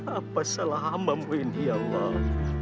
apa salah hambamu ini ya allah